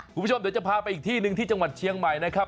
คุณผู้ชมเดี๋ยวจะพาไปอีกที่หนึ่งที่จังหวัดเชียงใหม่นะครับ